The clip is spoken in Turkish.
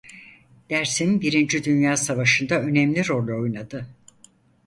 Dersim birinci Dünya Savaşı'nda önemli rol oynadı.